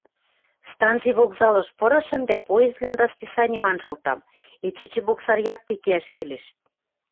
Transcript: Станци вокзалыш пырышым дӓ поездвлӓн расписаним анжылтам: эче Чебоксар якте кеӓш келеш.